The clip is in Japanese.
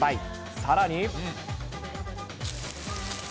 さらに。